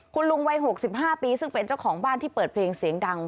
คุณลุงวัย๖๕ปีซึ่งเป็นเจ้าของบ้านที่เปิดเพลงเสียงดัง